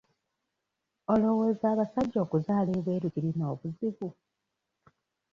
Olowooza abasajja okuzaala ebweru kirina obuzibu?